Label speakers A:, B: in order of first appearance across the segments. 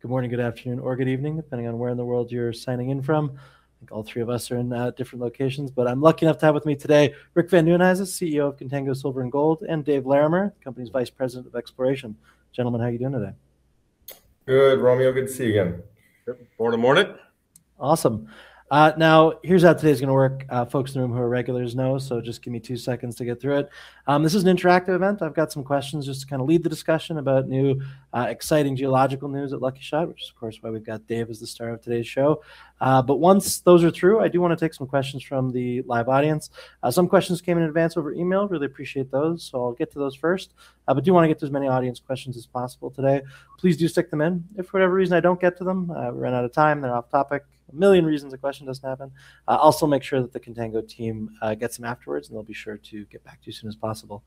A: Good morning, good afternoon, or good evening, depending on where in the world you're signing in from. I think all three of us are in different locations. I'm lucky enough to have with me today Rick Van Nieuwenhuyse, who is the CEO of Contango Silver & Gold, and Dave Larimer, the company's Vice President of Exploration. Gentlemen, how are you doing today?
B: Good, Romeo. Good to see you again.
C: Good. Morning, morning.
A: Awesome. Here's how today's going to work. Folks in the room who are regulars know, so just give me two seconds to get through it. This is an interactive event. I've got some questions just to lead the discussion about new, exciting geological news at Lucky Shot, which is, of course, why we've got Dave as the star of today's show. Once those are through, I do want to take some questions from the live audience. Some questions came in advance over email. Really appreciate those, so I'll get to those first. I do want to get to as many audience questions as possible today. Please do stick them in. If for whatever reason I don't get to them, run out of time, they're off topic, a million reasons a question doesn't happen, I'll also make sure that the Contango team gets them afterwards, and they'll be sure to get back to you as soon as possible.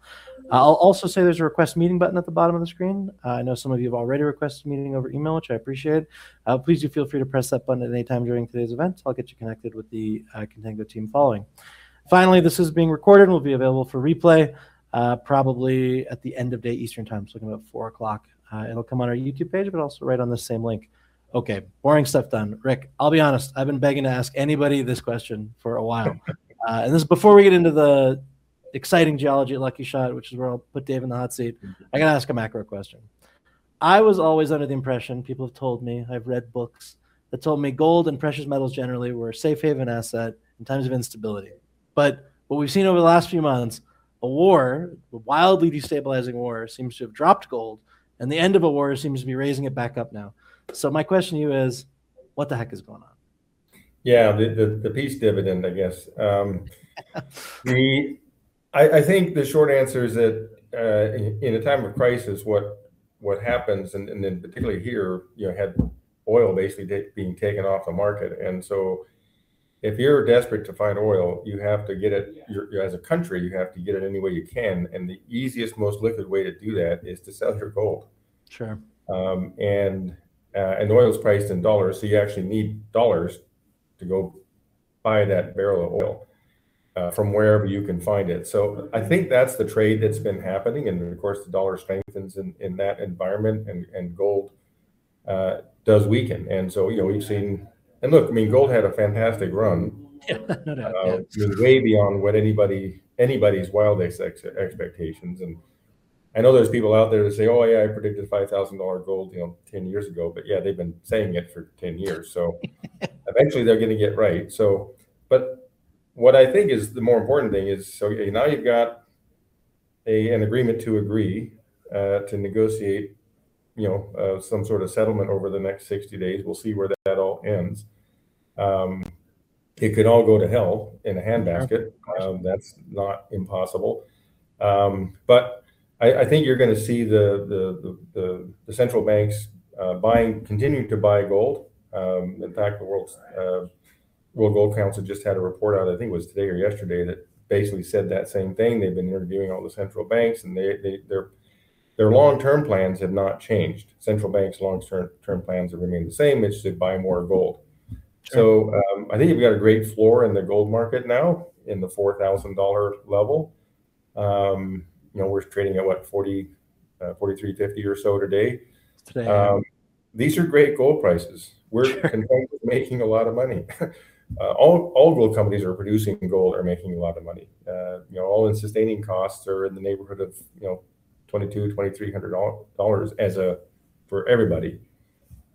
A: I'll also say there's a Request Meeting button at the bottom of the screen. I know some of you have already requested a meeting over email, which I appreciate. Please do feel free to press that button at any time during today's event. I'll get you connected with the Contango team following. Finally, this is being recorded and will be available for replay probably at the end of day Eastern Time, so thinking about 4:00 P.M. It'll come on our YouTube page, but also right on this same link. Okay, boring stuff done. Rick, I'll be honest, I've been begging to ask anybody this question for a while. This is before we get into the exciting geology at Lucky Shot, which is where I'll put Dave in the hot seat, I got to ask a macro question. I was always under the impression, people have told me, I've read books that told me gold and precious metals generally were a safe haven asset in times of instability. What we've seen over the last few months, a war, a wildly destabilizing war, seems to have dropped gold, and the end of a war seems to be raising it back up now. My question to you is, what the heck is going on?
B: Yeah, the peace dividend, I guess. I think the short answer is that in a time of crisis, what happens, and then particularly here, had oil basically being taken off the market. If you're desperate to find oil, as a country, you have to get it any way you can, and the easiest, most liquid way to do that is to sell your gold.
A: Sure.
B: Oil's priced in dollars, you actually need dollars to go buy that barrel of oil from wherever you can find it. I think that's the trade that's been happening, and then of course, the dollar strengthens in that environment and gold does weaken. Look, gold had a fantastic run.
A: No doubt, yeah.
B: Way beyond anybody's wildest expectations. I know there's people out there that say, "Oh, yeah, I predicted $5,000 gold 10 years ago." Yeah, they've been saying it for 10 years, eventually they're going to get it right. What I think is the more important thing is, now you've got an agreement to agree to negotiate some sort of settlement over the next 60 days. We'll see where that all ends. It could all go to hell in a handbasket.
A: Of course.
B: That's not impossible. I think you're going to see the central banks continuing to buy gold. In fact, the World Gold Council just had a report out, I think it was today or yesterday, that basically said that same thing. They've been interviewing all the central banks, their long-term plans have not changed. Central banks' long-term plans remain the same, which is to buy more gold.
A: Sure.
B: I think you've got a great floor in the gold market now in the $4,000 level. We're trading at what, $4,100, $4,300, $4,500 or so today?
A: Today.
B: These are great gold prices.
A: Sure.
B: We're making a lot of money. All gold companies who are producing gold are making a lot of money. All-in sustaining costs are in the neighborhood of $1,200, $1,300 for everybody.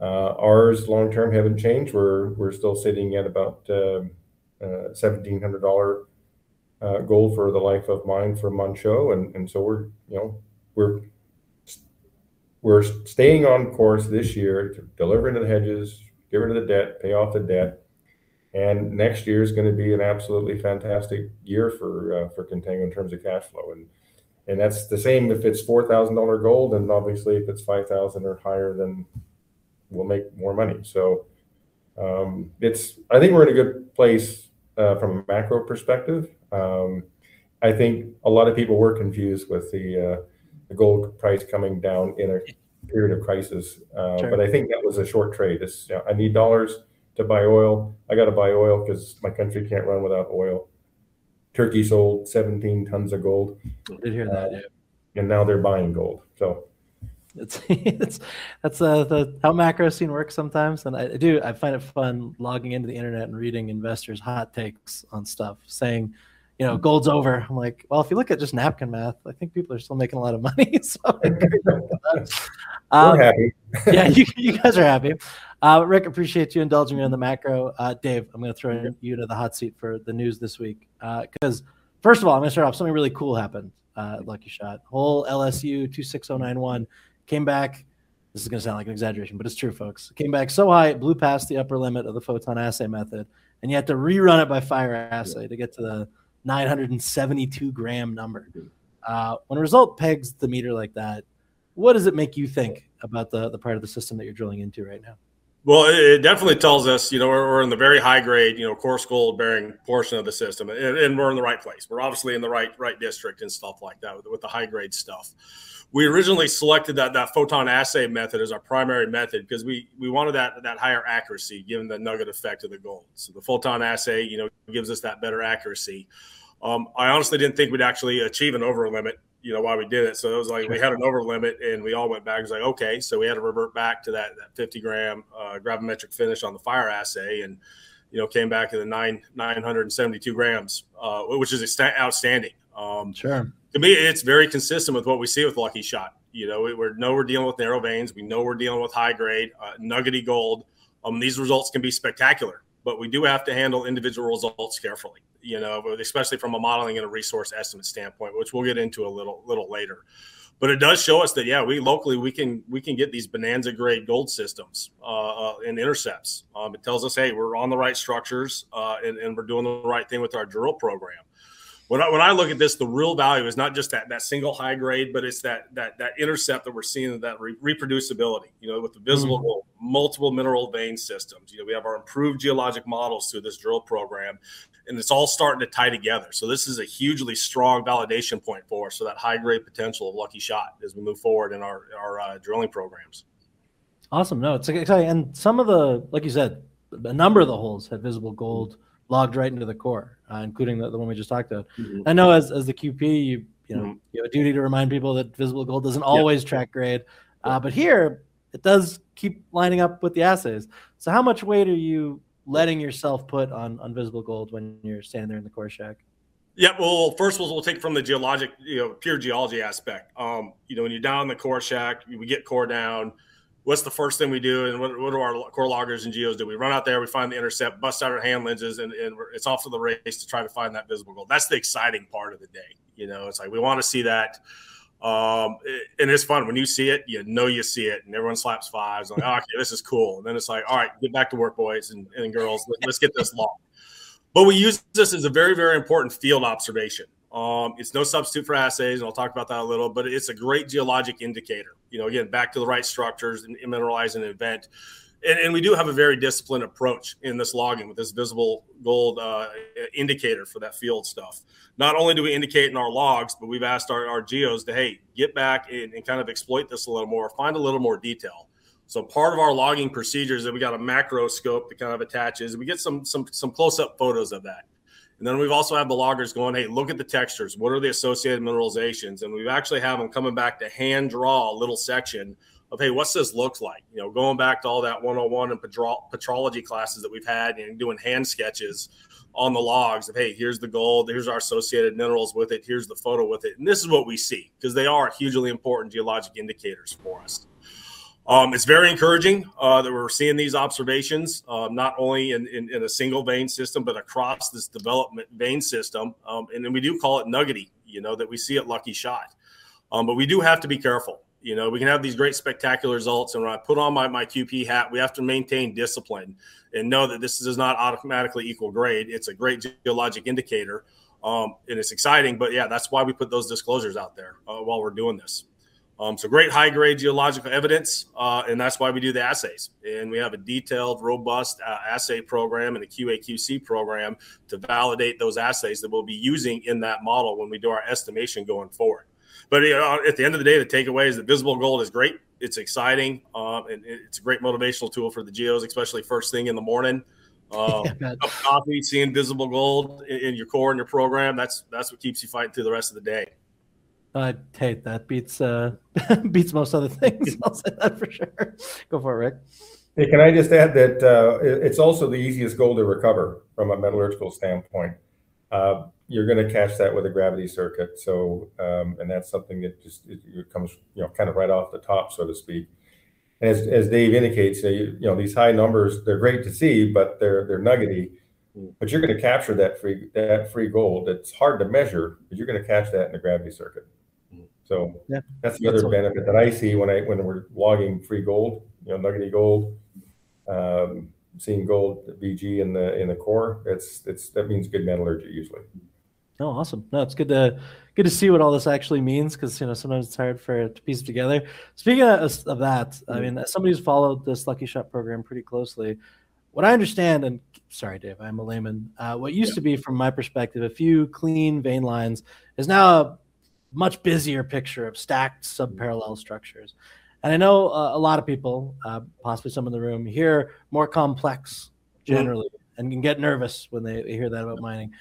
B: Ours long-term haven't changed. We're still sitting at about $1,700 gold for the life of mine for Manh Choh, so we're staying on course this year to deliver to the hedges, get rid of the debt, pay off the debt, next year's going to be an absolutely fantastic year for Contango in terms of cash flow. That's the same if it's $4,000 gold, obviously if it's $5,000 or higher we'll make more money. I think we're in a good place from a macro perspective. I think a lot of people were confused with the gold price coming down in a period of crisis.
A: Sure.
B: I think that was a short trade. It's, "I need dollars to buy oil. I got to buy oil because my country can't run without oil." Turkey sold 17 tons of gold.
A: I did hear that, yeah.
B: Now they're buying gold.
A: That's how macro scene works sometimes. I do, I find it fun logging into the internet and reading investors' hot takes on stuff saying, "Gold's over." I'm like, "Well, if you look at just napkin math, I think people are still making a lot of money.
B: We're happy.
A: You guys are happy. Rick, appreciate you indulging me on the macro. Dave, I'm going to throw you to the hot seat for the news this week. First of all, I'm going to start off, something really cool happened at Lucky Shot. Hole LSU-26091 came back. This is going to sound like an exaggeration, but it's true, folks. It came back so high it blew past the upper limit of the PhotonAssay method, and you had to rerun it by Fire Assay to get to the 972-gram number. When a result pegs the meter like that, what does it make you think about the part of the system that you're drilling into right now?
C: It definitely tells us we're in the very high grade, core gold-bearing portion of the system, and we're in the right place. We're obviously in the right district and stuff like that with the high-grade stuff. We originally selected that PhotonAssay method as our primary method because we wanted that higher accuracy, given the nugget effect of the gold. The PhotonAssay gives us that better accuracy. I honestly didn't think we'd actually achieve an over-limit while we did it. It was like we had an over-limit, and we all went back and was like, "Okay." We had to revert back to that 50-gram gravimetric finish on the Fire Assay and came back with a 972 grams, which is outstanding.
A: Sure.
C: To me, it's very consistent with what we see with Lucky Shot. We know we're dealing with narrow veins. We know we're dealing with high grade, nuggety gold. These results can be spectacular, we do have to handle individual results carefully, especially from a modeling and a Mineral Resource Estimate standpoint, which we'll get into a little later. It does show us that, yeah, locally, we can get these bonanza-grade gold systems in intercepts. It tells us, hey, we're on the right structures, and we're doing the right thing with our drill program. When I look at this, the real value is not just that single high grade, but it's that intercept that we're seeing, that reproducibility. With visible multiple mineral vein systems. We have our improved geologic models through this drill program, and it's all starting to tie together. This is a hugely strong validation point for us, that high-grade potential of Lucky Shot as we move forward in our drilling programs.
A: Awesome. No, it's exciting. Some of the, like you said, a number of the holes had visible gold logged right into the core, including the one we just talked about. I know as the QP, you- you have a duty to remind people that visible gold doesn't always-
C: Yeah
A: track grade. Here, it does keep lining up with the assays. How much weight are you letting yourself put on visible gold when you're standing there in the core shack?
C: Well, first of all, we'll take it from the geologic, pure geology aspect. When you're down in the core shack, we get core down, what's the first thing we do, and what do our core loggers and geos do? We run out there, we find the intercept, bust out our hand lenses, and it's off to the race to try to find that visible gold. That's the exciting part of the day. It's like, we want to see that. It's fun. When you see it, you know you see it, everyone slaps fives. Like, "Okay, this is cool." Then it's like, "All right. Get back to work, boys and girls." "Let's get this logged." We use this as a very, very important field observation. It's no substitute for assays, and I'll talk about that a little, but it's a great geologic indicator. Again, back to the right structures and mineralizing event. We do have a very disciplined approach in this logging with this visible gold indicator for that field stuff. Not only do we indicate in our logs, but we've asked our geos to, "Hey, get back and kind of exploit this a little more. Find a little more detail." Part of our logging procedure is that we got a macroscope that kind of attaches, and we get some close-up photos of that. Then we also have the loggers going, "Hey, look at the textures. What are the associated mineralizations?" We actually have them coming back to hand draw a little section of, "Hey, what's this look like?" Going back to all that 101 and petrology classes that we've had and doing hand sketches on the logs of, "Hey, here's the gold. Here's our associated minerals with it. Here's the photo with it." This is what we see, because they are hugely important geologic indicators for us. It's very encouraging that we're seeing these observations, not only in a single vein system but across this development vein system. Then we do call it nuggety that we see at Lucky Shot. We do have to be careful. We can have these great, spectacular results, when I put on my QP hat, we have to maintain discipline and know that this does not automatically equal grade. It's a great geologic indicator, and it's exciting. Yeah, that's why we put those disclosures out there while we're doing this. Great high-grade geological evidence, and that's why we do the assays. We have a detailed, robust assay program and a QA/QC program to validate those assays that we'll be using in that model when we do our estimation going forward. At the end of the day, the takeaway is that visible gold is great, it's exciting, and it's a great motivational tool for the geos, especially first thing in the morning.
A: Yeah, I bet.
C: A coffee, seeing visible gold in your core, in your program, that's what keeps you fighting through the rest of the day.
A: Hey, that beats most other things I'll say that for sure. Go for it, Rick.
B: Hey, can I just add that it's also the easiest gold to recover from a metallurgical standpoint. You're going to catch that with a gravity circuit. That's something that just comes right off the top, so to speak. As Dave indicates, these high numbers, they're great to see, but they're nuggety. You're going to capture that free gold that's hard to measure, because you're going to catch that in a gravity circuit. So-
A: Yeah. That's.
B: That's the other benefit that I see when we're logging free gold, nuggety gold. Seeing gold VG in the core, that means good metallurgy usually.
A: Oh, awesome. No, it's good to see what all this actually means because sometimes it's hard to piece it together. Speaking of that. as somebody who's followed this Lucky Shot program pretty closely, what I understand, sorry Dave, I'm a layman.
C: Yeah.
A: What used to be, from my perspective, a few clean vein lines is now a much busier picture of stacked sub-parallel structures. I know a lot of people, possibly some in the room here, more complex generally.
C: Yeah.
A: They can get nervous when they hear that about mining.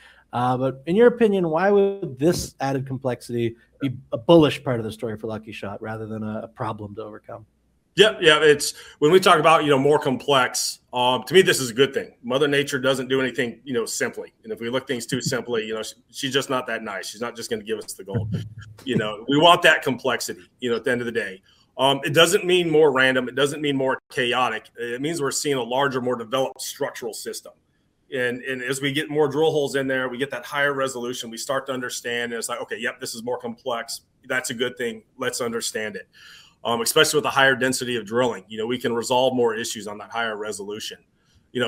A: In your opinion, why would this added complexity be a bullish part of the story for Lucky Shot rather than a problem to overcome?
C: Yeah. When we talk about more complex, to me this is a good thing. Mother Nature doesn't do anything simply, and if we look at things too simply, she's just not that nice. She's not just going to give us the gold. We want that complexity at the end of the day. It doesn't mean more random. It doesn't mean more chaotic. It means we're seeing a larger, more developed structural system. As we get more drill holes in there, we get that higher resolution, we start to understand, and it's like, okay, yep, this is more complex. That's a good thing. Let's understand it. Especially with the higher density of drilling. We can resolve more issues on that higher resolution.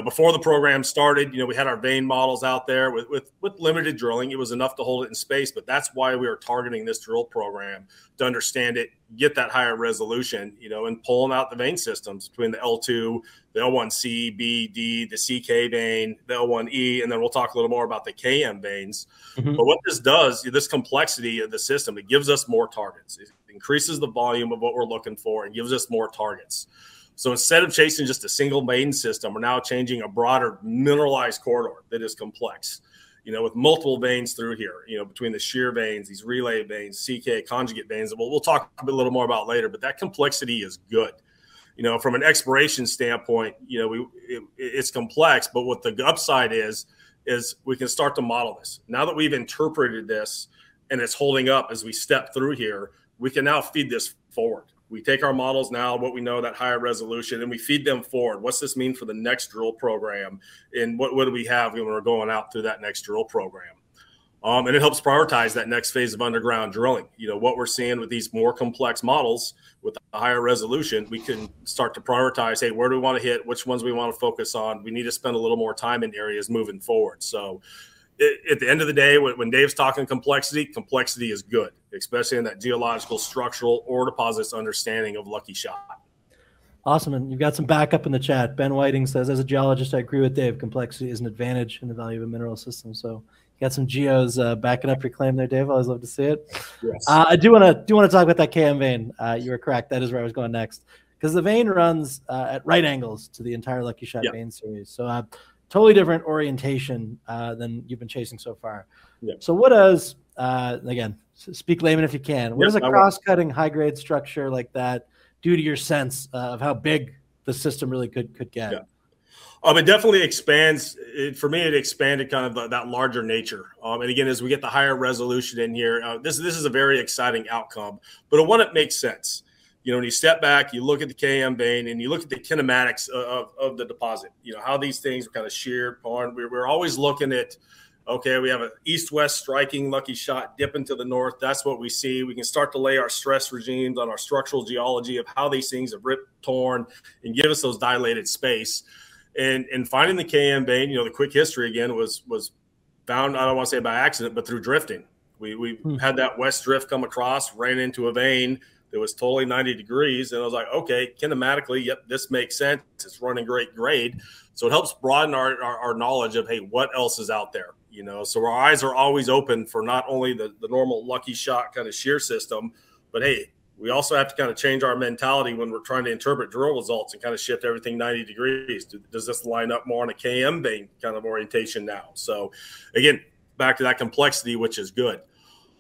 C: Before the program started, we had our vein models out there with limited drilling. It was enough to hold it in space, that's why we are targeting this drill program to understand it, get that higher resolution, and pulling out the vein systems between the L2, the L1C, B, D, the CK Vein, the L1E, and we'll talk a little more about the KM Veins. What this does, this complexity of the system, it gives us more targets. It increases the volume of what we're looking for and gives us more targets. Instead of chasing just a single vein system, we're now chasing a broader mineralized corridor that is complex, with multiple veins through here, between the shear veins, these relay veins, CK conjugate veins, and we'll talk a little more about later, but that complexity is good. From an exploration standpoint, it's complex, but what the upside is we can start to model this. Now that we've interpreted this and it's holding up as we step through here, we can now feed this forward. We take our models now, what we know, that higher resolution, and we feed them forward. What's this mean for the next drill program, and what do we have when we're going out through that next drill program? It helps prioritize that next phase of underground drilling. What we're seeing with these more complex models with a higher resolution, we can start to prioritize, hey, where do we want to hit, which ones we want to focus on. We need to spend a little more time in areas moving forward. At the end of the day, when Dave's talking complexity is good, especially in that geological, structural, ore deposits understanding of Lucky Shot.
A: Awesome. You've got some backup in the chat. Ben Whiting says, "As a geologist, I agree with Dave. Complexity is an advantage in the value of a mineral system." You got some geos backing up your claim there, Dave. I always love to see it.
C: Yes.
A: I do want to talk about that KM Vein. You were correct, that is where I was going next, because the vein runs at right angles to the entire Lucky Shot-
C: Yep
A: vein series. A totally different orientation than you've been chasing so far.
C: Yeah.
A: What does, again, speak layman if you can.
C: Yes.
A: What does a cross-cutting high-grade structure like that do to your sense of how big the system really could get?
C: It definitely expands. For me, it expanded that larger nature. Again, as we get the higher resolution in here, this is a very exciting outcome, but one that makes sense. When you step back, you look at the KM Vein, and you look at the kinematics of the deposit, how these things are sheared, born, we're always looking at, okay, we have an east-west striking Lucky Shot dipping to the north. That's what we see. We can start to lay our stress regimes on our structural geology of how these things have ripped, torn, and give us those dilated space. Finding the KM Vein, the quick history again, was found, I don't want to say by accident, but through drifting. We had that West Drift come across, ran into a vein that was totally 90 degrees, and it was like, okay, kinematically, yep, this makes sense. It's running great grade. So it helps broaden our knowledge of, hey, what else is out there? So our eyes are always open for not only the normal Lucky Shot shear system, but hey, we also have to change our mentality when we're trying to interpret drill results and shift everything 90 degrees. Does this line up more on a KM Vein orientation now? So again, back to that complexity, which is good.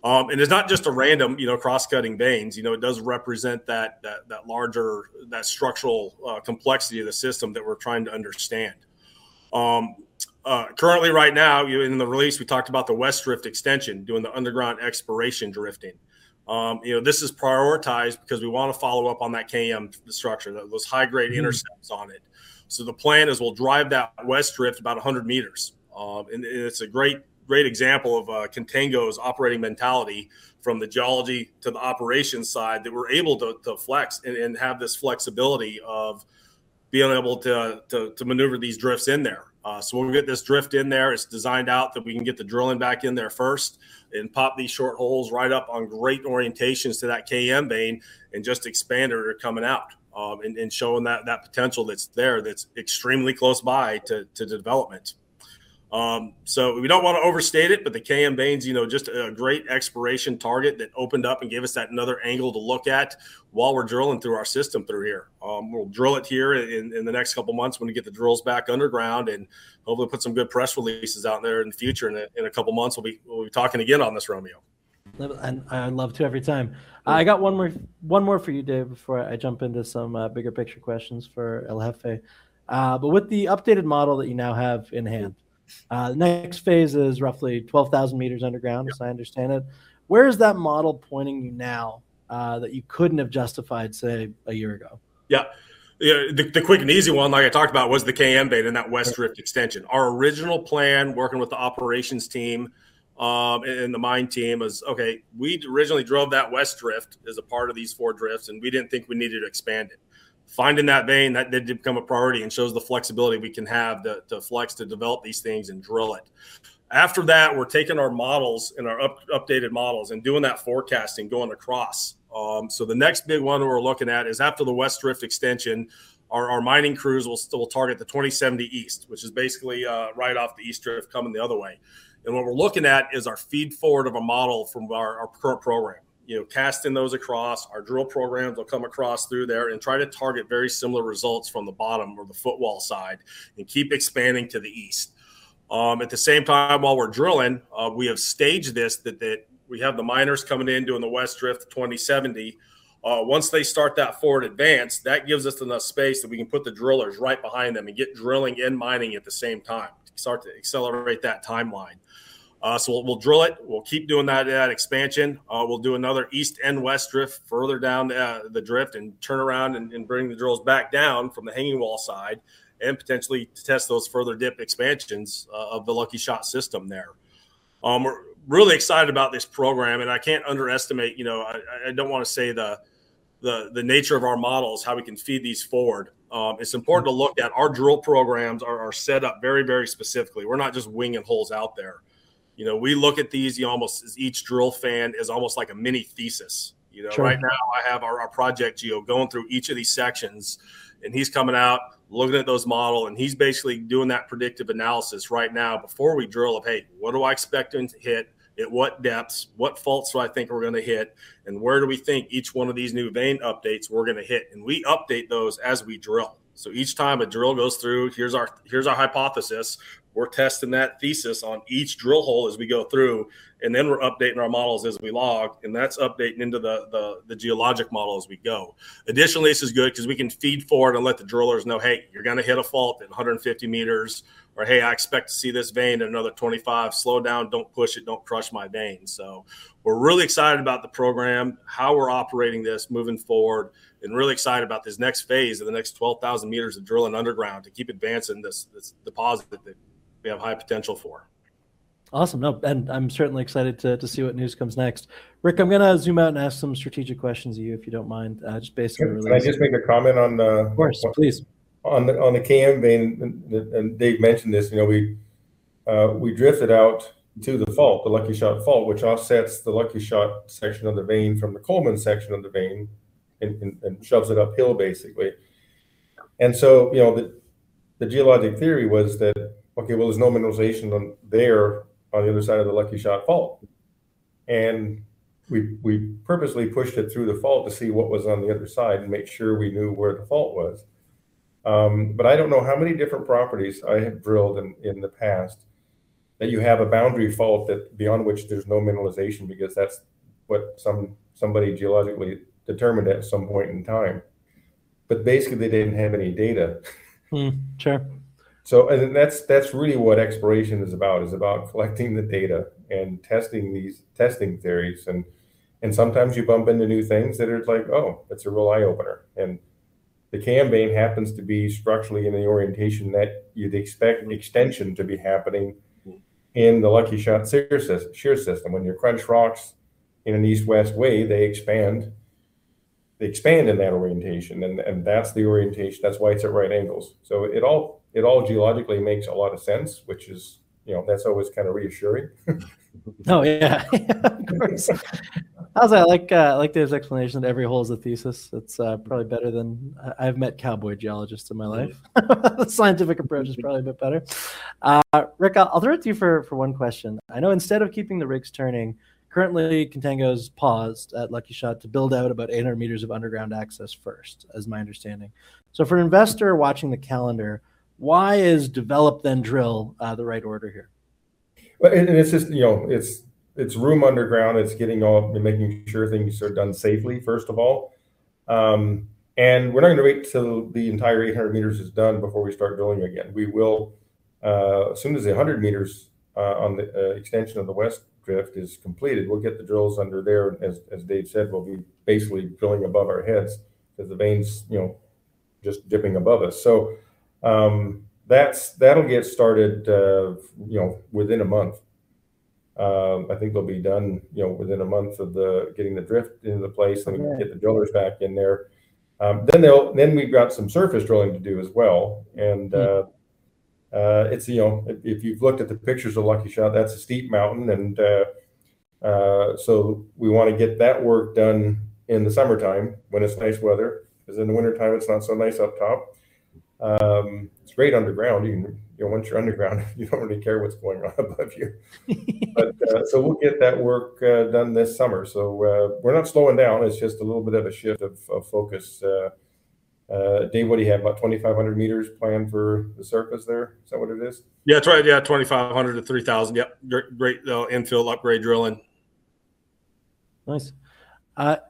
C: It's not just a random cross-cutting veins. It does represent that larger, that structural complexity of the system that we're trying to understand. Currently right now, in the release, we talked about the West Drift extension, doing the underground exploration drifting. This is prioritized because we want to follow up on that KM structure, those high-grade intercepts on it. So the plan is we'll drive that West Drift about 100 meters. And it's a great example of Contango's operating mentality from the geology to the operations side, that we're able to flex and have this flexibility of being able to maneuver these drifts in there. So when we get this drift in there, it's designed out that we can get the drilling back in there first and pop these short holes right up on great orientations to that KM Vein and just expand it coming out. And showing that potential that's there that's extremely close by to development. So we don't want to overstate it, but the KM Vein's just a great exploration target that opened up and gave us that another angle to look at while we're drilling through our system through here. We'll drill it here in the next couple of months when we get the drills back underground, and hopefully put some good press releases out there in the future, and in a couple of months, we'll be talking again on this, Romeo.
A: I'd love to every time. I got one more for you, Dave, before I jump into some bigger picture questions for El Jefe. With the updated model that you now have in hand, the next phase is roughly 12,000 meters underground-
C: Yep
A: as I understand it. Where is that model pointing you now that you couldn't have justified, say, a year ago?
C: The quick and easy one, like I talked about, was the KM Vein and that West Drift extension. Our original plan, working with the operations team and the mine team is, okay, we originally drove that West Drift as a part of these four drifts, and we didn't think we needed to expand it. Finding that vein, that did become a priority and shows the flexibility we can have to flex to develop these things and drill it. After that, we're taking our models and our updated models and doing that forecasting going across. The next big one we're looking at is after the West Drift extension, our mining crews will target the 2070 East, which is basically right off the east drift coming the other way. What we're looking at is our feed-forward of a model from our current program. Casting those across our drill program, they'll come across through there and try to target very similar results from the bottom or the footwall side and keep expanding to the east. At the same time, while we're drilling, we have staged this that we have the miners coming in, doing the West Drift 2070 East. Once they start that forward advance, that gives us enough space that we can put the drillers right behind them and get drilling and mining at the same time to start to accelerate that timeline. We'll drill it. We'll keep doing that expansion. We'll do another east and west drift further down the drift and turn around and bring the drills back down from the hanging wall side and potentially to test those further dip expansions of the Lucky Shot system there. We're really excited about this program, and I can't underestimate, I don't want to say the nature of our models, how we can feed these forward. It's important to look at our drill programs are set up very specifically. We're not just winging holes out there. We look at these, each drill fan is almost like a mini thesis.
A: Sure.
C: Right now I have our project geo going through each of these sections, and he's coming out, looking at those model, and he's basically doing that predictive analysis right now before we drill of, hey, what do I expect to hit, at what depths, what faults do I think we're going to hit, and where do we think each one of these new vein updates we're going to hit? We update those as we drill. Each time a drill goes through, here's our hypothesis. We're testing that thesis on each drill hole as we go through, and we're updating our models as we log, and that's updating into the geologic model as we go. Additionally, this is good because we can feed forward and let the drillers know, hey, you're going to hit a fault at 150 meters, or hey, I expect to see this vein at another 25. Slow down. Don't push it. Don't crush my vein. We're really excited about the program, how we're operating this moving forward, and really excited about this next phase of the next 12,000 meters of drilling underground to keep advancing this deposit that we have high potential for.
A: Awesome. No, I'm certainly excited to see what news comes next. Rick, I'm going to zoom out and ask some strategic questions of you, if you don't mind, just basically relating-
B: Can I just make a comment on the
A: Of course, please
B: On the KM vein, Dave mentioned this. We drifted out to the fault, the Lucky Shot fault, which offsets the Lucky Shot section of the vein from the Coleman section of the vein and shoves it uphill, basically. The geologic theory was that, okay, well, there's no mineralization on there, on the other side of the Lucky Shot fault. We purposely pushed it through the fault to see what was on the other side and make sure we knew where the fault was. I don't know how many different properties I have drilled in the past that you have a boundary fault that beyond which there's no mineralization because that's what somebody geologically determined at some point in time. Basically, they didn't have any data.
A: Sure.
B: That's really what exploration is about, is about collecting the data and testing theories, and sometimes you bump into new things that it's like, oh, it's a real eye-opener. The KM vein happens to be structurally in the orientation that you'd expect an extension to be happening in the Lucky Shot shear system. When you crunch rocks in an east-west way, they expand in that orientation, and that's the orientation. That's why it's at right angles. It all geologically makes a lot of sense, which is that's always reassuring.
A: Oh, yeah. Of course. I like Dave's explanation, every hole is a thesis. It's probably better than I've met cowboy geologists in my life. The scientific approach is probably a bit better. Rick, I'll throw it to you for one question. I know instead of keeping the rigs turning, currently Contango's paused at Lucky Shot to build out about 800 m of underground access first, is my understanding. For an investor watching the calendar, why is develop then drill the right order here?
B: It's room underground. It's making sure things are done safely, first of all. We're not going to wait till the entire 800 m is done before we start drilling again. We will, as soon as the 100 m on the extension of the West Drift is completed, we'll get the drills under there. As Dave said, we'll be basically drilling above our heads as the vein's just dipping above us. That'll get started within a month. I think they'll be done within a month of the getting the drift into the place.
A: Okay
B: We can get the drillers back in there. We've got some surface drilling to do as well. If you've looked at the pictures of Lucky Shot, that's a steep mountain. We want to get that work done in the summertime when it's nice weather, because in the wintertime, it's not so nice up top. It's great underground. Once you're underground, you don't really care what's going on above you. We'll get that work done this summer. We're not slowing down. It's just a little bit of a shift of focus. Dave, what do you have? About 2,500 m planned for the surface there? Is that what it is?
C: Yeah, that's right. Yeah, 2,500 m to 3,000 m. Yep. Great though. Infill, upgrade drilling.
A: Nice.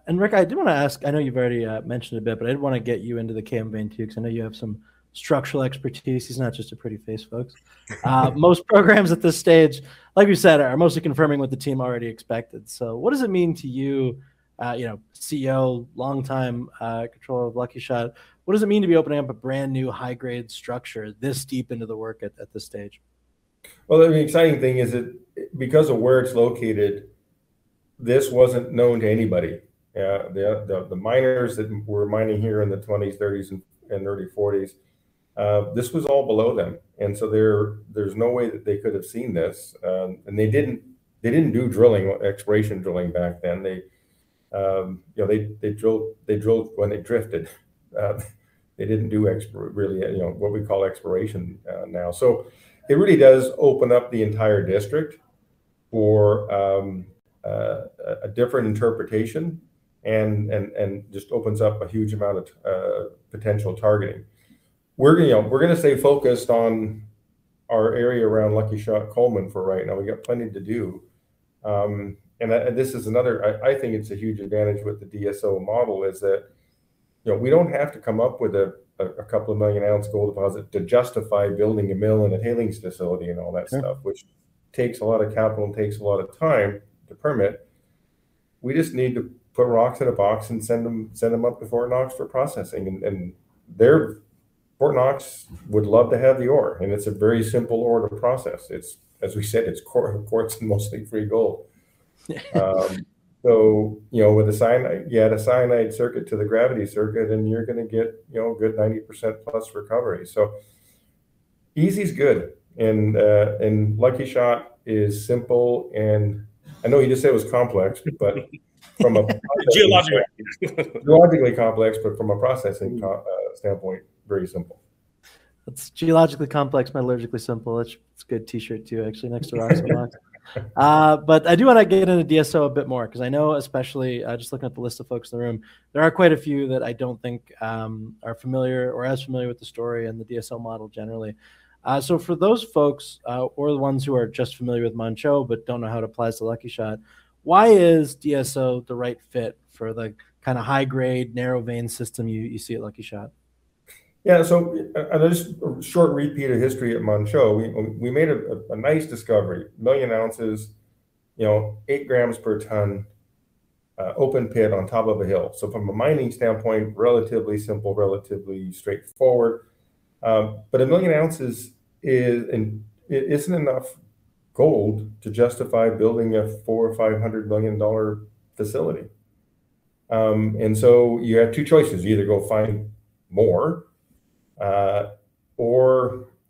A: Rick, I do want to ask, I know you've already mentioned a bit, but I did want to get you into the KM Vein too because I know you have some structural expertise. He's not just a pretty face, folks. Most programs at this stage, like you said, are mostly confirming what the team already expected. What does it mean to you, CEO, longtime controller of Lucky Shot. What does it mean to be opening up a brand new high-grade structure this deep into the work at this stage?
B: Well, the exciting thing is that because of where it's located, this wasn't known to anybody. The miners that were mining here in the 1920s, 1930s, and early 1940s, this was all below them, there's no way that they could've seen this. They didn't do exploration drilling back then. They drove when they drifted. They didn't do what we call exploration now. It really does open up the entire district for a different interpretation and just opens up a huge amount of potential targeting. We're going to stay focused on our area around Lucky Shot Coleman for right now. We got plenty to do. This is another, I think it's a huge advantage with the DSO model is that we don't have to come up with a couple of million-ounce gold deposit to justify building a mill and a tailings facility and all that stuff.
A: Yeah
B: That takes a lot of capital and takes a lot of time to permit. We just need to put rocks in a box and send them up to Fort Knox for processing, the Fort Knox would love to have the ore, it's a very simple ore to process. As we said, quartz is mostly free gold. With a cyanide circuit to the gravity circuit, then you're going to get a good 90% plus recovery. Easy is good, Lucky Shot is simple and I know you just said it was complex.
A: Geologically
B: geologically complex, but from a processing standpoint, very simple.
A: That's geologically complex, metallurgically simple. That's a good T-shirt too, actually, next to Rossland. I do want to get into DSO a bit more, because I know, especially just looking at the list of folks in the room, there are quite a few that I don't think are familiar or as familiar with the story and the DSO model generally. For those folks, or the ones who are just familiar with Manh Choh but don't know how it applies to Lucky Shot, why is DSO the right fit for the high grade, narrow vein system you see at Lucky Shot?
B: Yeah, just a short repeat of history at Manh Choh. We made a nice discovery, 1 million ounces, 8 grams per tonne, open pit on top of a hill. From a mining standpoint, relatively simple, relatively straightforward. A 1 million ounces isn't enough gold to justify building a $400 million-$500 million facility. You have two choices. You either go find more,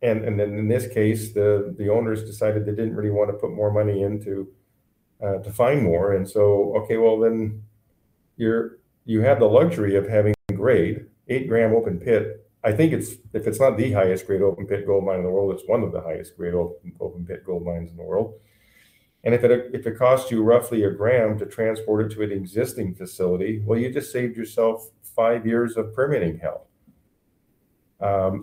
B: and in this case, the owners decided they didn't really want to put more money in to find more. Okay, well then you have the luxury of having the grade, 8 gram open pit. I think if it's not the highest grade open pit gold mine in the world, it's one of the highest grade open pit gold mines in the world. If it costs you roughly 1 gram to transport it to an existing facility, well, you just saved yourself five years of permitting hell. Oh,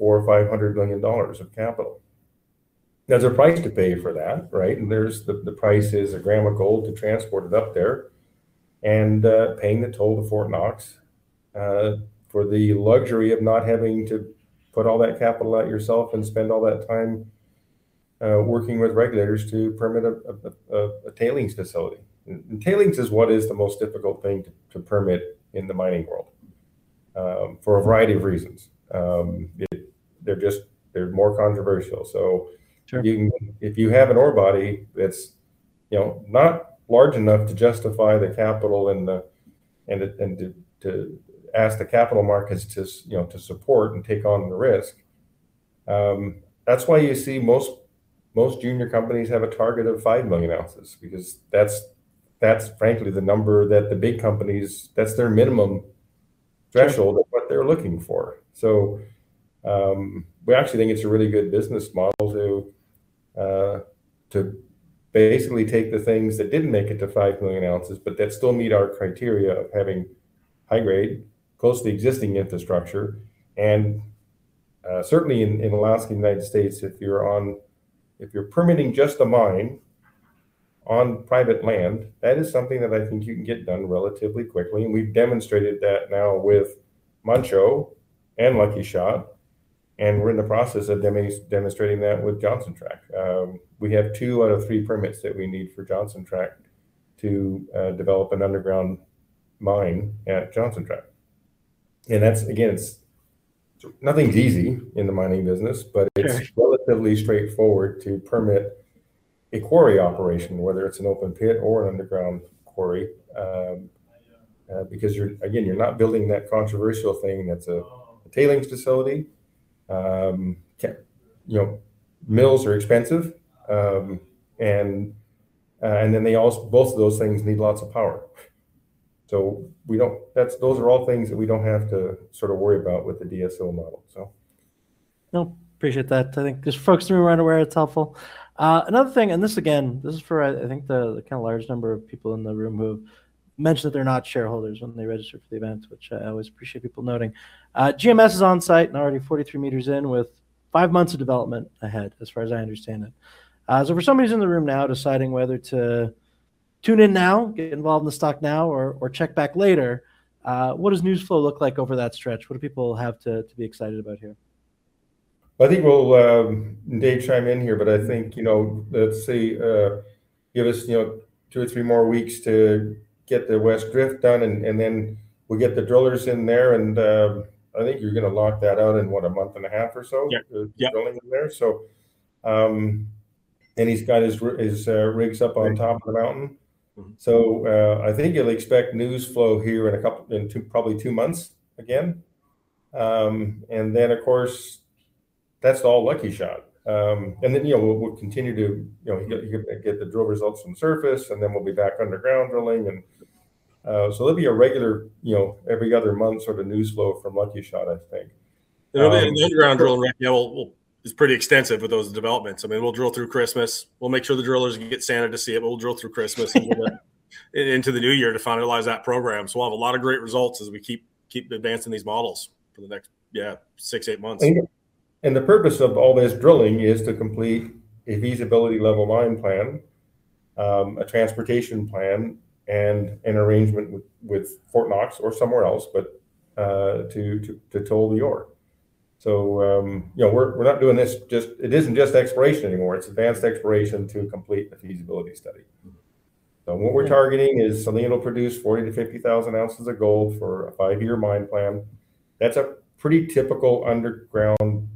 B: $400 million-$500 million of capital. There's a price to pay for that, right? The price is 1 gram of gold to transport it up there, and paying the toll to Fort Knox, for the luxury of not having to put all that capital out yourself and spend all that time working with regulators to permit a tailings facility. Tailings is what is the most difficult thing to permit in the mining world, for a variety of reasons. They're more controversial.
A: Sure.
B: If you have an ore body that's not large enough to justify the capital and to ask the capital markets to support and take on the risk. That's why you see most junior companies have a target of 5 million ounces, because that's frankly the number that the big companies, that's their minimum threshold of what they're looking for. We actually think it's a really good business model to basically take the things that didn't make it to 5 million ounces, but that still meet our criteria of having high grade, close to existing infrastructure, and certainly in Alaska, U.S., if you're permitting just the mine on private land, that is something that I think you can get done relatively quickly, and we've demonstrated that now with Manh Choh and Lucky Shot, and we're in the process of demonstrating that with Johnson Tract. We have two out of three permits that we need for Johnson Tract to develop an underground mine at Johnson Tract. Nothing's easy in the mining business, but it's relatively straightforward to permit a quarry operation, whether it's an open pit or an underground quarry, because again, you're not building that controversial thing that's a tailings facility. Mills are expensive, then both of those things need lots of power. Those are all things that we don't have to worry about with the DSO model.
A: No, appreciate that. I think there's folks in the room who aren't aware, it's helpful. Another thing, this again is for I think the large number of people in the room who mentioned that they're not shareholders when they registered for the event, which I always appreciate people noting. GMS is on site and already 43 meters in with five months of development ahead, as far as I understand it. For somebody who's in the room now deciding whether to tune in now, get involved in the stock now, or check back later, what does news flow look like over that stretch? What do people have to be excited about here?
B: I think, Dave chime in here, but I think, let's say, give us two or three more weeks to get the West Drift done, then we'll get the drillers in there, I think you're going to lock that out in what? A month and a half or so?
A: Yeah.
B: Drilling in there. He's got his rigs up on top of the mountain. I think you'll expect news flow here in probably 2 months again. Of course, that's all Lucky Shot. We'll continue to get the drill results from surface, then we'll be back underground drilling. There'll be a regular every other month news flow from Lucky Shot, I think.
C: There'll be an underground drill right now. It's pretty extensive with those developments. We'll drill through Christmas. We'll make sure the drillers can get Santa to see it, but we'll drill through Christmas and into the new year to finalize that program. We'll have a lot of great results as we keep advancing these models for the next six, eight months.
B: The purpose of all this drilling is to complete a feasibility level mine plan, a transportation plan, an arrangement with Fort Knox or somewhere else, to toll the ore. We're not doing this just It isn't just exploration anymore. It's advanced exploration to complete a feasibility study. What we're targeting is something that'll produce 40,000-50,000 ounces of gold for a five-year mine plan. That's a pretty typical underground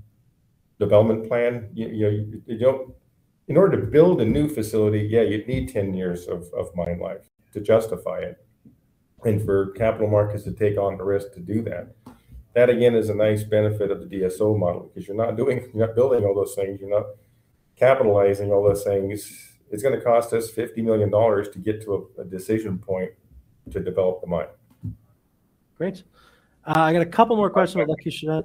B: development plan. In order to build a new facility, yeah, you'd need 10 years of mine life to justify it and for capital markets to take on the risk to do that. That again is a nice benefit of the DSO model because you're not building all those things. You're not capitalizing all those things. It's going to cost us $50 million to get to a decision point to develop the mine.
A: Great. I got a couple more questions about Lucky Shot.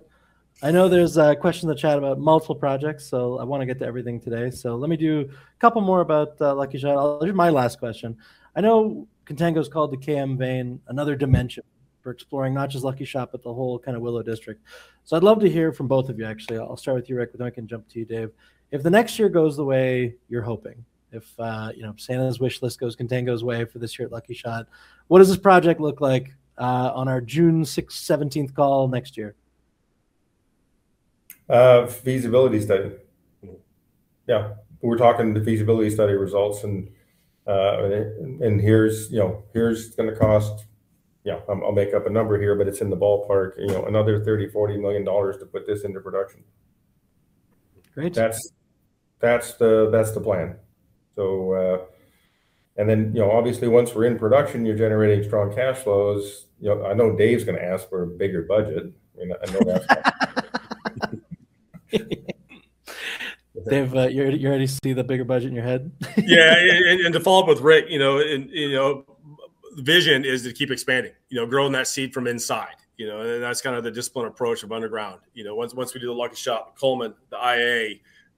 A: I know there's a question in the chat about multiple projects, I want to get to everything today. Let me do a couple more about Lucky Shot. It'll be my last question. I know Contango's called the KM vein another dimension for exploring not just Lucky Shot, but the whole Willow district. I'd love to hear from both of you, actually. I'll start with you, Rick, but then I can jump to you, Dave. If the next year goes the way you're hoping, if Santa's wish list goes Contango's way for this year at Lucky Shot, what does this project look like on our June 17th call next year?
B: Feasibility study. Yeah. We're talking the feasibility study results. Here's going to cost Yeah, I'll make up a number here, but it's in the ballpark, another $30 million-$40 million to put this into production.
A: Great.
B: That's the plan. Then, obviously once we're in production, you're generating strong cash flows. I know Dave's going to ask for a bigger budget. I know that.
A: Dave, you already see the bigger budget in your head?
C: Yeah. To follow up with Rick, the vision is to keep expanding, growing that seed from inside. That's the disciplined approach of underground. Once we do the Lucky Shot, Coleman, the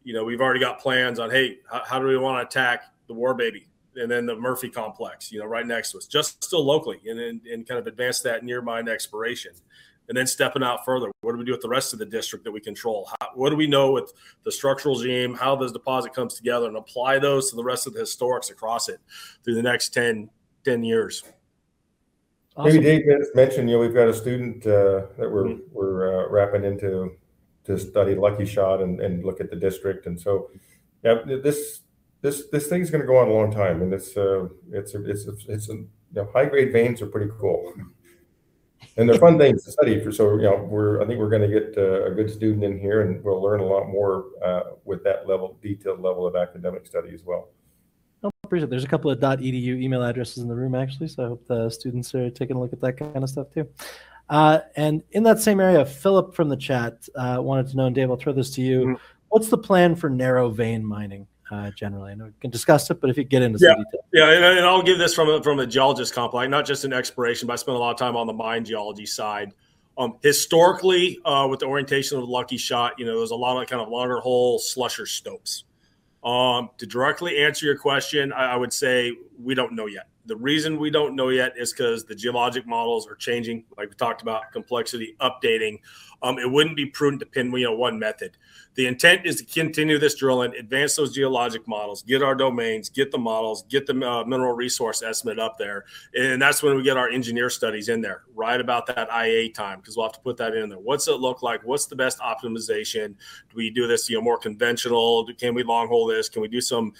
C: PEA, we've already got plans on, hey, how do we want to attack the War Baby and then the Murphy Complex right next to us. Just still locally then advance that near mine exploration. Then stepping out further, what do we do with the rest of the district that we control? What do we know with the structural regime, how this deposit comes together, and apply those to the rest of the historics across it through the next 10 years.
A: Awesome.
B: Maybe Dave could mention, we've got a student that we're wrapping into to study Lucky Shot and look at the district. This thing's going to go on a long time and high-grade veins are pretty cool. They're fun veins to study. I think we're going to get a good student in here and we'll learn a lot more with that detailed level of academic study as well.
A: No, appreciate it. There's a couple of .edu email addresses in the room actually, I hope the students are taking a look at that kind of stuff too. In that same area, Philip from the chat wanted to know, Dave, I'll throw this to you, what's the plan for narrow vein mining generally? I know we can discuss it, but if you could get into some detail.
C: Yeah. I'll give this from a geological complex, not just in exploration, but I spend a lot of time on the mine geology side. Historically, with the orientation of the Lucky Shot, there was a lot of long hole slusher stopes. To directly answer your question, I would say we don't know yet. The reason we don't know yet is because the geological models are changing. Like we talked about, complexity updating. It wouldn't be prudent to pin one method. The intent is to continue this drilling, advance those geological models, get our domains, get the models, get the mineral resource estimate up there, that's when we get our engineer studies in there, right about that PEA time, because we'll have to put that in there. What's it look like? What's the best optimization? Do we do this more conventional? Can we long hole this? Can we do some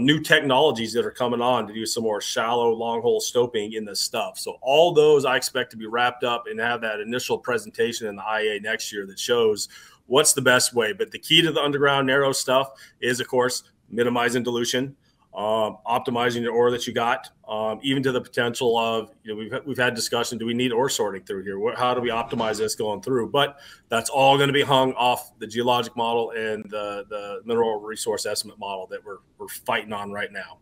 C: new technologies that are coming on to do some more shallow long hole stoping in this stuff? All those I expect to be wrapped up and have that initial presentation in the PEA next year that shows what's the best way. The key to the underground narrow stuff is, of course, minimizing dilution, optimizing the ore that you got, even to the potential of We've had discussion, do we need ore sorting through here? How do we optimize this going through? That's all going to be hung off the geological model and the mineral resource estimate model that we're fighting on right now.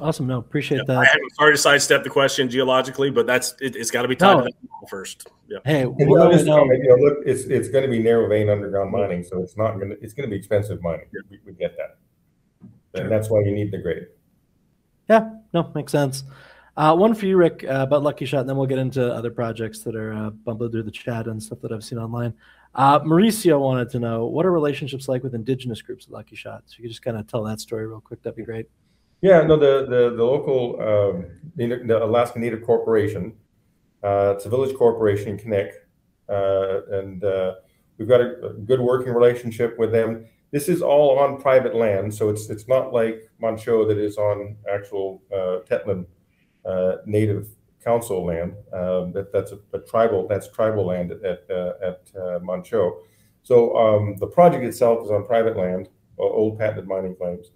A: Awesome. Appreciate that.
C: I haven't sorry to sidestep the question geologically, but it's got to be done first. Yeah.
A: Hey, we'll-
B: The other thing, look, it's going to be narrow vein underground mining, so it's going to be expensive mining. We get that. That's why you need the grade.
A: Yeah. No, makes sense. One for you, Rick, about Lucky Shot. Then we'll get into other projects that are bundled through the chat and stuff that I've seen online. Mauricio wanted to know what are relationships like with indigenous groups at Lucky Shot. If you could just tell that story real quick, that'd be great.
B: Yeah, no, the Alaska Native Corporation, it's a village corporation in Knik. We've got a good working relationship with them. This is all on private land. It's not like Manh Choh that is on actual Tetlin Native Council land. That's tribal land at Manh Choh. The project itself is on private land, old patented mining claims.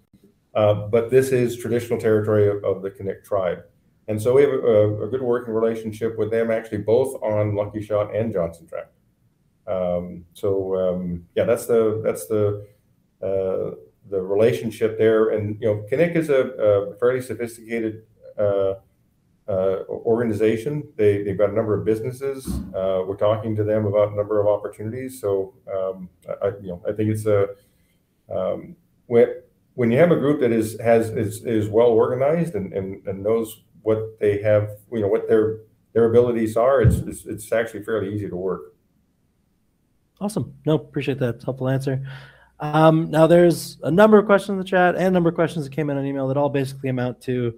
B: This is traditional territory of the Knik Tribe. We have a good working relationship with them actually both on Lucky Shot and Johnson Tract. Yeah, that's the relationship there. Knik is a fairly sophisticated organization. They've got a number of businesses. We're talking to them about a number of opportunities. I think when you have a group that is well organized and knows what their abilities are, it's actually fairly easy to work
A: Awesome. No, appreciate that helpful answer. There's a number of questions in the chat and a number of questions that came in on email that all basically amount to,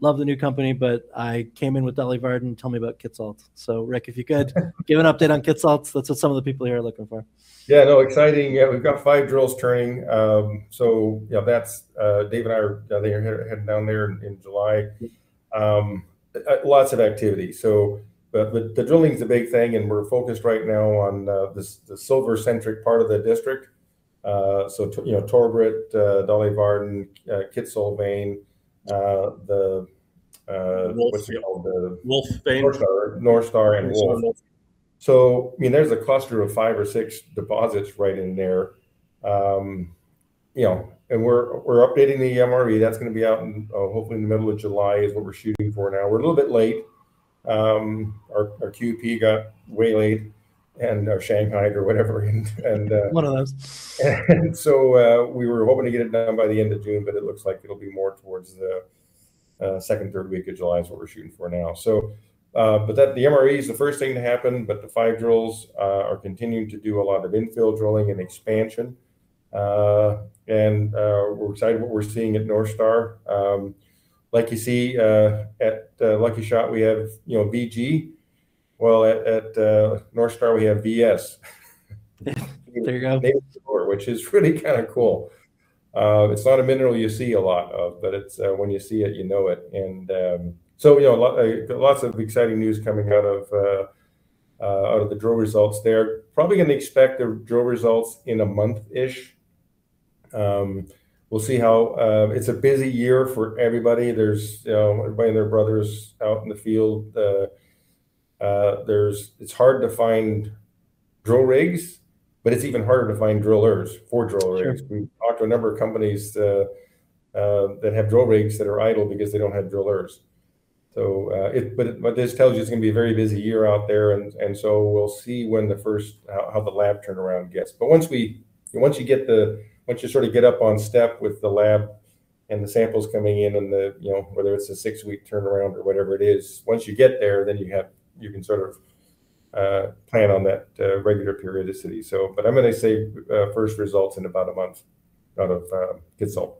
A: "Love the new company, but I came in with Dolly Varden. Tell me about Kitsault." Rick, if you could give an update on Kitsault, that's what some of the people here are looking for.
B: Yeah, no, exciting. Yeah, we've got five drills turning. Dave and I are down here, heading down there in July. Lots of activity. The drilling's a big thing. We're focused right now on the silver-centric part of the district. Torbrit, Dolly Varden, Kitsault vein.
C: Wolf Vein
B: What's it called?
C: Wolf Vein
B: Northstar. Northstar and Wolf. There's a cluster of five or six deposits right in there. We're updating the MRE. That's going to be out hopefully in the middle of July, is what we're shooting for now. We're a little bit late. Our QP got waylaid and shanghaied or whatever.
A: One of those
B: We were hoping to get it done by the end of June, but it looks like it'll be more towards the second, third week of July is what we're shooting for now. The MRE is the first thing to happen, but the five drills are continuing to do a lot of infill drilling and expansion. We're excited what we're seeing at Northstar. Like you see at the Lucky Shot we have VG. Well, at Northstar we have VS.
A: There you go.
B: Which is really cool. It's not a mineral you see a lot of, but when you see it, you know it. Lots of exciting news coming out of the drill results there. Probably going to expect the drill results in a month-ish. We'll see how. It's a busy year for everybody. There's everybody and their brothers out in the field. It's hard to find drill rigs, but it's even harder to find drillers for drill rigs.
A: Sure.
B: We talked to a number of companies that have drill rigs that are idle because they don't have drillers. This tells you it's going to be a very busy year out there, we'll see how the lab turnaround gets. Once you get up on step with the lab and the samples coming in, whether it's a six-week turnaround or whatever it is, once you get there, you can plan on that regular periodicity. I'm going to say first results in about a month out of Kitsault.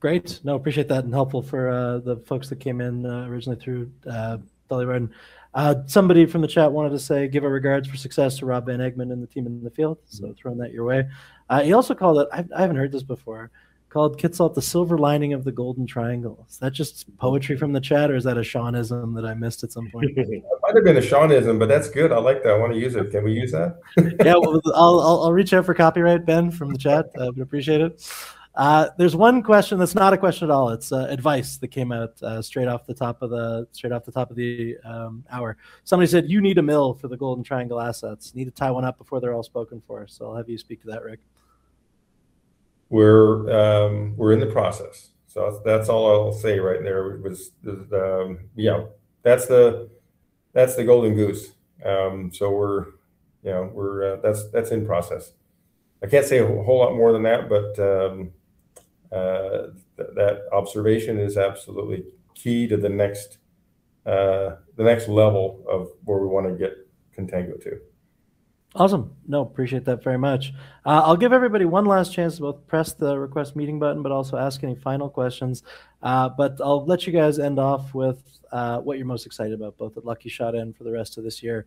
A: Great. No, appreciate that and helpful for the folks that came in originally through Dolly Varden. Somebody from the chat wanted to say, "Give our regards for success to Rob van Egmond and the team in the field." Throwing that your way. He also called it, I haven't heard this before, called Kitsault the silver lining of the Golden Triangle. Is that just poetry from the chat or is that a Seanism that I missed at some point?
B: Might've been a Seanism, that's good. I like that. I want to use it. Can we use that?
A: Yeah. Well, I'll reach out for copyright, Ben from the chat. I'd appreciate it. There's one question that's not a question at all. It's advice that came out straight off the top of the hour. Somebody said, "You need a mill for the Golden Triangle assets. Need to tie one up before they're all spoken for." I'll have you speak to that, Rick.
B: We're in the process. That's all I'll say right there. That's the golden goose. That's in process. I can't say a whole lot more than that, but that observation is absolutely key to the next level of where we want to get Contango to.
A: Awesome. No, appreciate that very much. I'll give everybody one last chance to both press the Request Meeting button but also ask any final questions. I'll let you guys end off with what you're most excited about, both at Lucky Shot and for the rest of this year.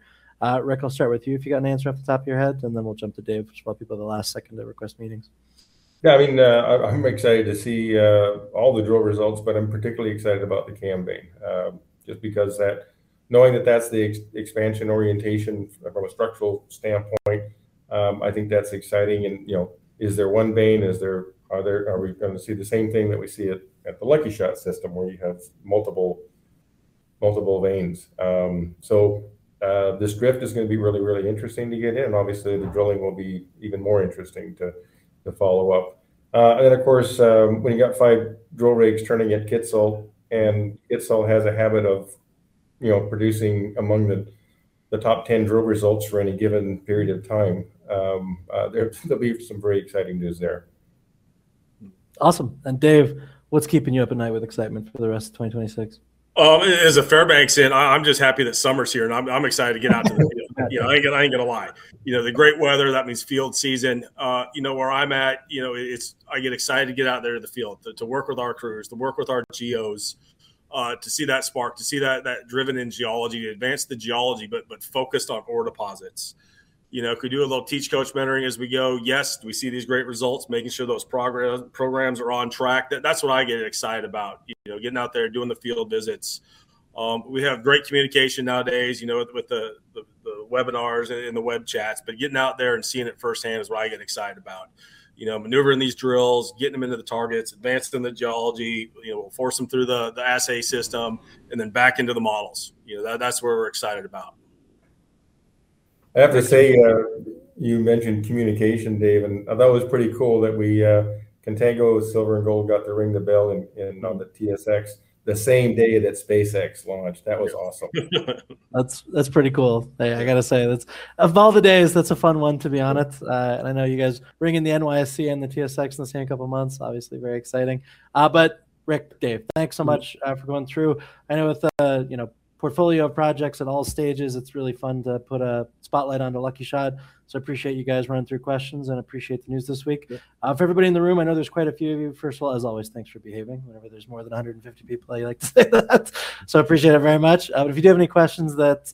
A: Rick, I'll start with you, if you've got an answer off the top of your head, and then we'll jump to Dave for just about people at the last second to request meetings.
B: Yeah, I'm excited to see all the drill results, but I'm particularly excited about the KM Vein. Just because knowing that that's the expansion orientation from a structural standpoint, I think that's exciting. Is there one vein? Are we going to see the same thing that we see at the Lucky Shot system where you have multiple veins? This drift is going to be really, really interesting to get in. Obviously, the drilling will be even more interesting to follow up. Then of course, when you got five drill rigs turning at Kitsault, and Kitsault has a habit of producing among the top 10 drill results for any given period of time. There'll be some very exciting news there.
A: Awesome. Dave, what's keeping you up at night with excitement for the rest of 2026?
C: As a Fairbanksan, I'm just happy that summer's here, and I'm excited to get out into the field. I ain't going to lie. The great weather, that means field season. Where I'm at, I get excited to get out there to the field, to work with our crews, to work with our geos, to see that spark, to see that driven in geology, to advance the geology but focused on ore deposits. If we do a little teach coach mentoring as we go, yes, we see these great results, making sure those programs are on track. That's what I get excited about, getting out there, doing the field visits. We have great communication nowadays, with the webinars and the web chats, but getting out there and seeing it firsthand is what I get excited about. Maneuvering these drills, getting them into the targets, advancing the geology. We'll force them through the assay system and then back into the models. That's what we're excited about.
B: I have to say, you mentioned communication, Dave. I thought it was pretty cool that we, Contango Silver & Gold, got to ring the bell on the TSX the same day that SpaceX launched. That was awesome.
A: That's pretty cool. I got to say, of all the days, that's a fun one to be on it. I know you guys ringing the NYSE and the TSX in the same couple of months, obviously very exciting. Rick, Dave, thanks so much for going through. I know with the portfolio of projects at all stages, it's really fun to put a spotlight onto Lucky Shot. I appreciate you guys running through questions and appreciate the news this week.
B: Yeah.
A: For everybody in the room, I know there's quite a few of you. First of all, as always, thanks for behaving. Whenever there's more than 150 people, I like to say that. Appreciate it very much. If you do have any questions that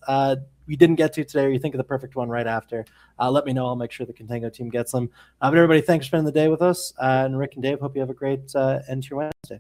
A: we didn't get to today, or you think of the perfect one right after, let me know. I'll make sure the Contango team gets them. Everybody, thanks for spending the day with us. Rick and Dave, hope you have a great end to your Wednesday.